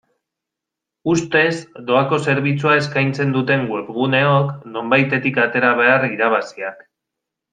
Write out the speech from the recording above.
Ustez doako zerbitzua eskaitzen duten webguneok nonbaitetik atera behar irabaziak.